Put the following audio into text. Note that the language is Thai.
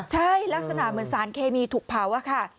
ใช่ลักษณะเหมือนสารเคมีถูกเผาอะค่ะ